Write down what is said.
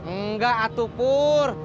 enggak atuh pur